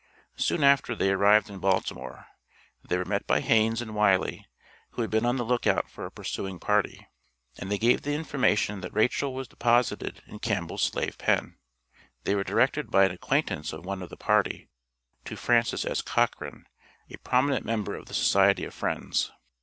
Soon after they arrived in Baltimore, they were met by Haines and Wiley, who had been on the lookout for a pursuing party, and they gave the information that Rachel was deposited in Campbell's slave pen. They were directed by an acquaintance of one of the party, to Francis S. Cochran, a prominent member of the Society of Friends.